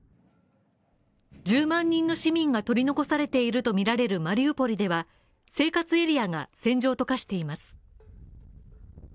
１０万人の市民が取り残されているとみられるマリウポリでは生活エリアが戦場と化しています。